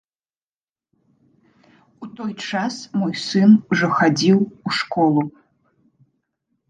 У той час мой сын ужо хадзіў у школу.